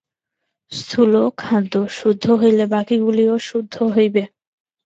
স্থূল খাদ্য শুদ্ধ হইলে বাকীগুলিও শুদ্ধ হইবে।